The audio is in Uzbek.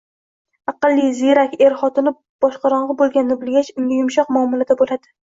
Aqlli, ziyrak er xotini boshqorong‘i bo‘lganini bilgach, unga yumshoq muomalada bo‘ladi